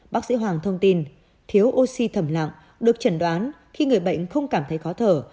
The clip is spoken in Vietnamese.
bác sĩ hoàng thông tin thiếu oxy thẩm lặng được chẩn đoán khi người bệnh không cảm thấy khó thở